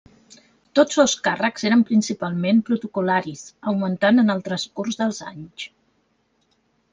Tots dos càrrecs eren principalment protocol·laris, augmentant en el transcurs dels anys.